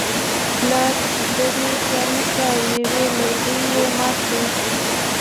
پلار ګېډۍ پرانیسته او یو یو لرګی یې مات کړ.